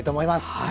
はい。